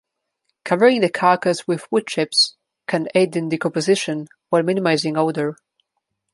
Covering the carcass with wood chips can aid in decomposition while minimizing odor.